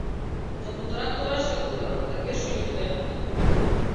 Но путырак тораште тудо да пеш ӱлнӧ.